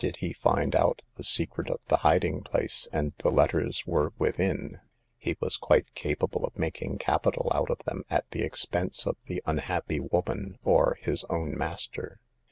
Did he find out the secret of the hiding place, and the letters were within, he was quite capable of making capital out of them at the expense of the unhappy woman or his own master.